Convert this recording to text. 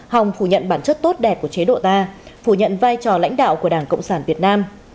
hòng phủ nhận bản chất tốt đẹp của chế độ ta phủ nhận vai trò lãnh đạo của đảng cộng sản việt nam